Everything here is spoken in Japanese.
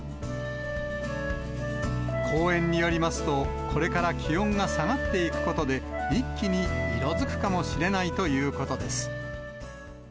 公園によりますと、これから気温が下がっていくことで、一気に色づくかもしれないということです。